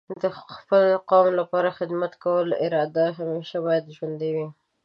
د خپل قوم لپاره د خدمت کولو اراده همیشه باید ژوندۍ وي.